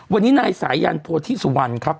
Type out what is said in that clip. วันนี้นายศรจัยัลโธทิศัวร์ครับ